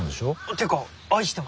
ていうか愛してます。